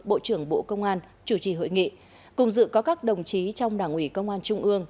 bộ trưởng bộ công an chủ trì hội nghị cùng dự có các đồng chí trong đảng ủy công an trung ương